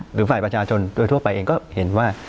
หรือฝ่ายประชาชนโดยทั่วไปเองก็เห็นว่า